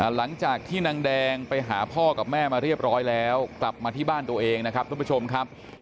หลังจากที่นางแดงไปหาพ่อกับแม่มาเรียบร้อยแล้วกลับมาที่บ้านตัวเองนะครับทุกผู้ชมครับ